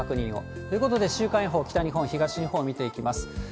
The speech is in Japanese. ということで、週間予報、北日本、東日本見ていきます。